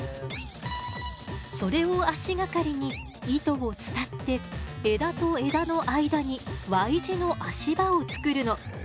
それを足がかりに糸を伝って枝と枝の間にＹ字の足場をつくるの。